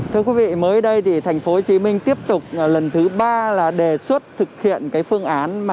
thưa quý vị mới đây thành phố hồ chí minh tiếp tục lần thứ ba đề xuất thực hiện phương án